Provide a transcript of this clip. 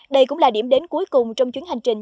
đây cũng là điểm đến cuối cùng trong chuyến hành trình